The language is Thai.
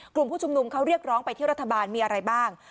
กลุ่มผู้ชุมนุมเขาเรียกร้องไปที่รัฐบาลมีอะไรบ้าง